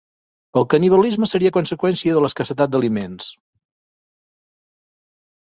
El canibalisme seria conseqüència de l'escassedat d'aliments.